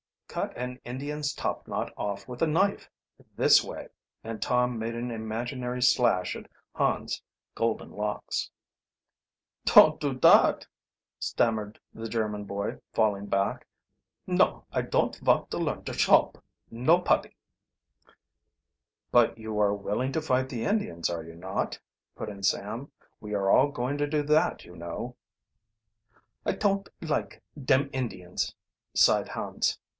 "Cut an Indian's top knot off with a knife, this way," and Tom made an imaginary slash at Hans' golden locks. "Ton't do dot!" stammered the German boy, falling back. "No, I ton't vant to learn to schalp, noputty." "But you are willing to fight the Indians, are you not?" put in Sam. "We are all going to do that, you know." "I ton't like dem Indians," sighed Hans.